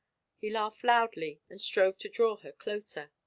" He laughed loudly and strove to draw her closer.